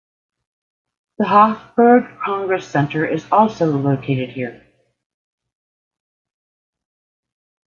The Hofburg Congress Center is also located here.